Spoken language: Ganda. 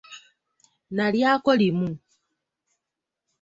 Nalyako limu.